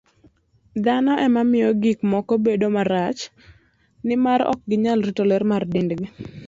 Dhano ema miyo gik moko bedo marach, nimar ok ginyal rito ler mar dendgi.